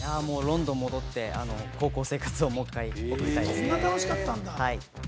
ロンドンも戻って、高校生活をもう一回やりたいですね。